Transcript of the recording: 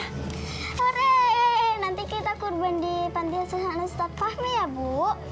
hooray nanti kita kurban di pantai asuhan ustadz fahmi ya bu